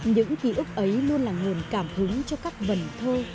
những ký ức ấy luôn là nguồn cảm hứng cho các vần thơ